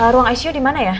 ruang icu di mana ya